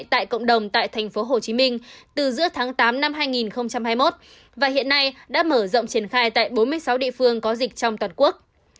tại cộng đồng tại tp hcm từ giữa tháng tám năm hai nghìn hai mươi một và hiện nay đã mở rộng triển khai tại bốn mươi sáu địa phương có dịch trong toàn quốc